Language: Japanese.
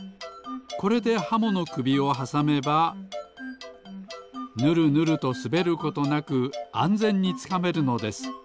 これでハモのくびをはさめばぬるぬるとすべることなくあんぜんにつかめるのです。